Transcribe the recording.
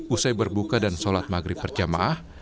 usai berbuka dan solat maghrib perjamaah